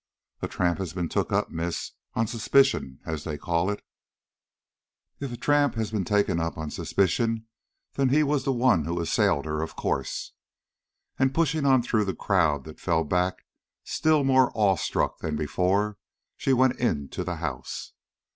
"A tramp has been took up, miss, on suspicion, as they call it." "If a tramp has been taken up on suspicion, then he was the one who assailed her, of course." And pushing on through the crowd that fell back still more awe struck than before, she went into the house.